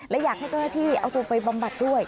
และอยากให้เจ้าหน้าที่เอาตัวไปบำบัดด้วย